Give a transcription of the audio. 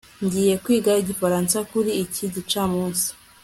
ngiye kwiga igifaransa kuri iki gicamunsi